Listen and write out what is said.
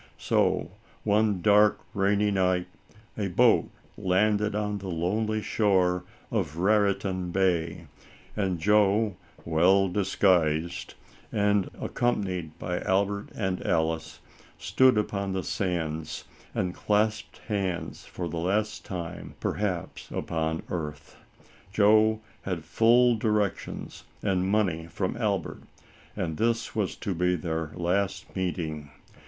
So, one dark, rainy night, a boat landed on the lonely shore of Raritan Bay, and Joe, well disguised, and accompanied by Albert and Alice, stood upon the sands and clasped hands, for the last time, perhaps, upon earth. Joe had full di rections and money from Albert, and this was to 76 ALICE ; OR, THE WAGES OF SIN. be their last meeting.